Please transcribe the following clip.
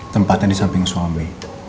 tempatnya di samping suami